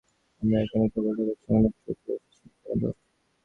আমরা এখানে কেবল তাদের সময় নস্ট করতে এসেছি, তাই তো?